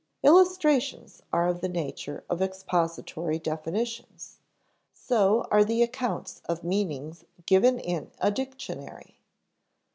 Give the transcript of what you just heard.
Illustrations are of the nature of expository definitions; so are the accounts of meanings given in a dictionary.